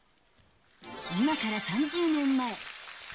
今から３０年前。